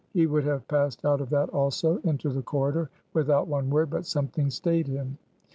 He would have passed out of that, also, into the corridor, without one word; but something stayed him.